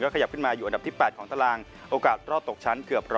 ขยับขึ้นมาอยู่อันดับที่๘ของตารางโอกาสรอดตกชั้นเกือบ๑๐๐